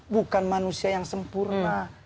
bukan manusia yang sempurna